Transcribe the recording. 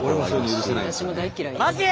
私も大嫌いです。